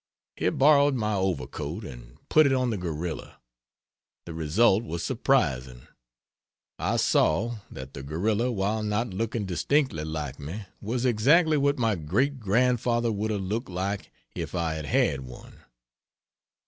He borrowed my overcoat and put it on the gorilla. The result was surprising. I saw that the gorilla while not looking distinctly like me was exactly what my great grand father would have looked like if I had had one.